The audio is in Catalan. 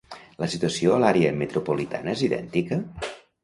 La situació a l'àrea metropolitana és idèntica?